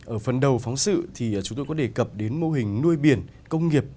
ở phần đầu phóng sự thì chúng tôi có đề cập đến mô hình nuôi biển công nghiệp